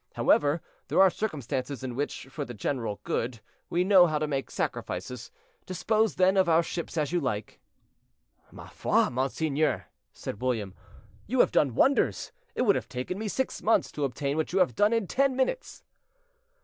However, there are circumstances in which, for the general good, we know how to make sacrifices. Dispose, then, of our ships as you like." "Ma foi, monseigneur," said William, "you have done wonders. It would have taken me six months to obtain what you have done in ten minutes."